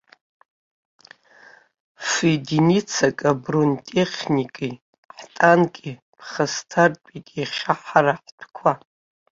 Ф-единицак абронетехникеи танкки ԥхасҭартәит иаха ҳара ҳтәқәа.